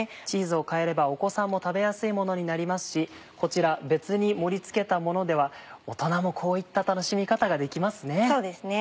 チーズを代えればお子さんも食べやすいものになりますしこちら別に盛り付けたものでは大人もこういった楽しみ方ができますね。